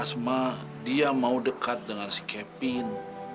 saya mau dekat dengan si kevin